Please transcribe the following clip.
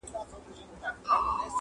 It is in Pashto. غوړ پر غوړ توئېږي، نه پر تورو خاورو.